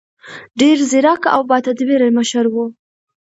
ډېر ځیرک او باتدبیره مشر و.